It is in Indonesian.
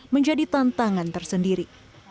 menjadi tantangan tersendiri